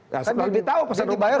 nah setelah ditahu pesan dibayar